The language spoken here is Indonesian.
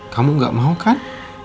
kamu gak mau kan